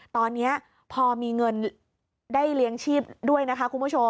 ตอนนี้พอมีเงินได้เลี้ยงชีพด้วยนะคะคุณผู้ชม